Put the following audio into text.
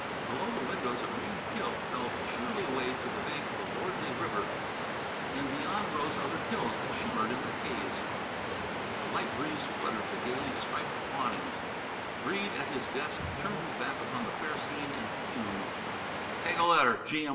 Below the windows a green hill fell sheerly away to the bank of a lordly river, and beyond rose other hills that shimmered in the haze. A light breeze fluttered the gayly striped awnings. Breede, at a desk, turned his back upon the fair scene and fumed. "Take letter G.M.